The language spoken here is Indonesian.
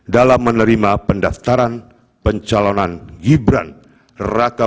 dalam menerima pendaftaran pencalonan gibran raka buming raka cenggara